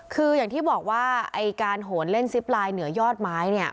คืออย่างที่บอกว่าไอ้การโหนเล่นซิปไลน์เหนือยอดไม้เนี่ย